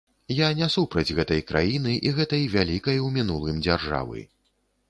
Я не супраць гэтай краіны і гэтай вялікай у мінулым дзяржавы.